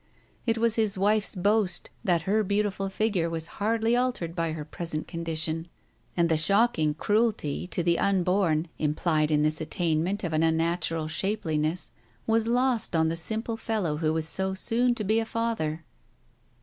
It was his wife's boast that her beautiful figure was hardly altered by her present condition, and the shocking cruelty to the unborn implied in this attainment of an unnatural shapeliness was lost on the simple fellow who was so soon to be a father.